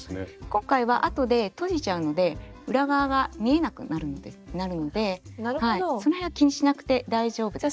今回はあとでとじちゃうので裏側が見えなくなるのでその辺は気にしなくて大丈夫ですね。